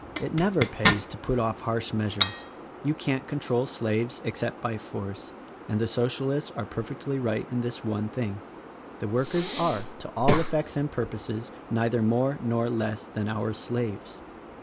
It never pays to put off harsh measures. You can't control slaves except by force — and the Socialists are perfectly right in this one thing: the workers are, to all effects and purposes, neither more nor less than our slaves.